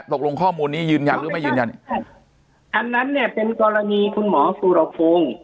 ตกลงข้อมูลนี้ยืนยันหรือไม่ยืนยันอันนั้นเนี่ยเป็นกรณีคุณหมอสุรพงศ์